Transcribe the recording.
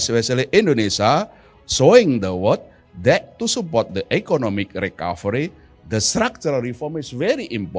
untuk penyelenggaraan ekonomi reform struktural sangat penting